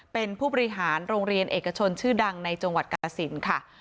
เป็นผู้บริหารโรงเรียนเอกชนชื่อดังในจังหวัดกาลสินค่ะ